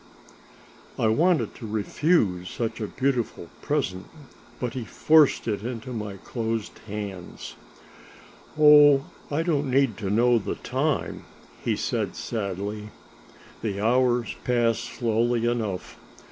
I wanted to refuse such a beautiful present, but he forced it into my closed hands. "Oh, I don't need to know the time," he said sadly; "the hours pass slowly enough.